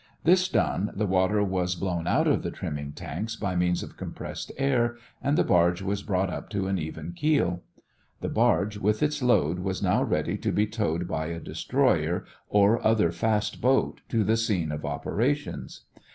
This done, the water was blown out of the trimming tanks by means of compressed air and the barge was brought up to an even keel. The barge with its load was now ready to be towed by a destroyer or other fast boat to the scene of operations.